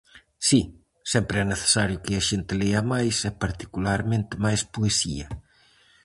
Si, sempre é necesario que a xente lea máis e particularmente máis poesía.